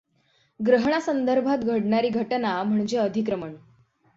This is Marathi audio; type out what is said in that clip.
ग्रहणा संदर्भात घडणारी घटना म्हणजे अधिक्रमण.